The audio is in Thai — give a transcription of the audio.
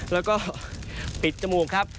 แล้วก็ปิดจมูกครับ